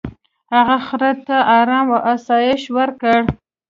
هغه خر ته ارام او آسایش ورکړ.